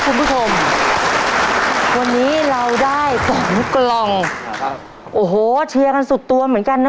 คุณผู้ชมวันนี้เราได้สองกล่องครับโอ้โหเชียร์กันสุดตัวเหมือนกันนะ